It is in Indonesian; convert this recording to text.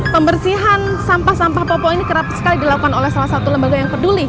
pembersihan sampah sampah popok ini kerap sekali dilakukan oleh salah satu lembaga yang peduli